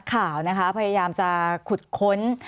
สวัสดีครับทุกคน